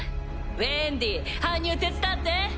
ウェンディ搬入手伝って。